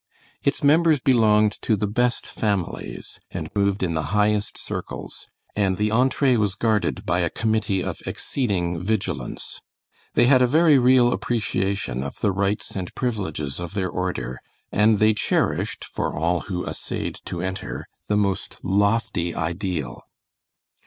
Its members belonged to the best families, and moved in the highest circles, and the entre was guarded by a committee of exceeding vigilance. They had a very real appreciation of the rights and privileges of their order, and they cherished for all who assayed to enter the most lofty ideal.